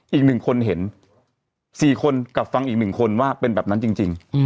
อีก๑คนเห็น๔คนกับฟังอีก๑คนว่าเป็นแบบนั้นจริง